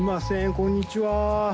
こんにちは。